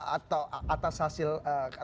atau atas hasil atau klaim kemenangan dari pan